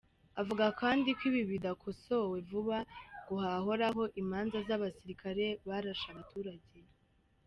Avuga kandi ko ibi bidakosowe vuba, ngo hahoraho imanza z’abasirikare barashe abaturage.